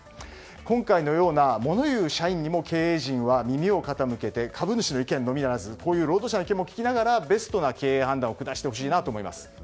今回のような物言う社員にも経営陣は耳を傾けて株主の意見のみならず労働者の意見を聞きながらベストな経営判断を下してほしいと思います。